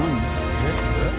えっ？